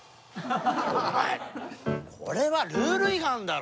お前これはルール違反だろ！